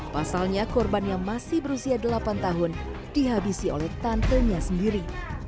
pasalnya korban yang masih berusia delapan tahun dihabisi oleh tantenya sendiri